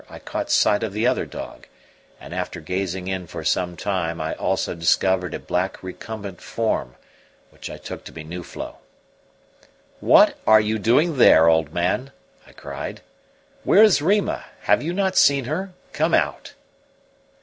I caught sight of the other dog; and after gazing in for some time, I also discovered a black, recumbent form, which I took to be Nuflo. "What are you doing there, old man?" I cried. "Where is Rima have you not seen her? Come out."